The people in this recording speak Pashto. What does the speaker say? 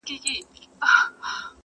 امیرحمزه بابا روح دي ښاد وي-